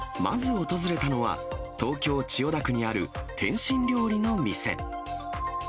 まず訪れたのは、東京・千代田区にある点心料理の店。